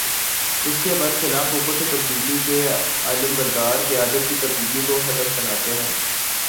اس کے بر خلاف اوپر سے تبدیلی کے علم بردار قیادت کی تبدیلی کو ہدف بناتے ہیں۔